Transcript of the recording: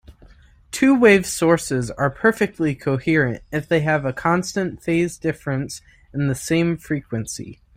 Two-wave sources are perfectly coherent if they have a constant phase difference and the same frequency.